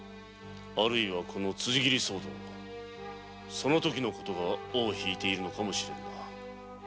あるいはこの辻斬り騒動それが尾をひいているのかもしれんな。